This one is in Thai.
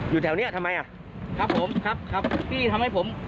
อยู่แถวเนี้ยทำไมอ่ะครับผมครับครับพี่ทำให้ผม